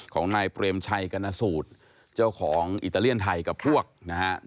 ของนายเปรมชัยกรณสูตรเจ้าของอิตาเลียนไทยกับพวกนะฮะ